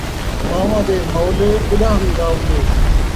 مان٘واں دے ماؤلے ، گݙان٘ھ وی راولے